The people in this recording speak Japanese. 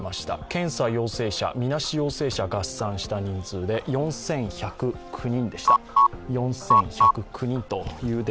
検査陽性者、みなし陽性者合算した人数で４１０９人でした。